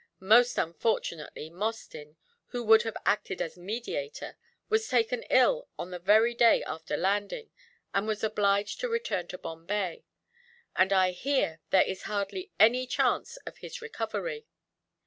Most unfortunately Mostyn, who would have acted as mediator, was taken ill on the very day after landing, and was obliged to return to Bombay; and I hear there is hardly any chance of his recovery.